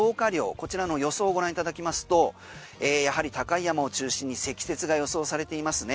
こちらの予想を御覧いただきますとやはり高い山を中心に積雪が予想されていますね。